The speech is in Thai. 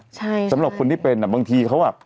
ใช่สำหรับคนที่เป็นอ่ะบางทีเขาแบบ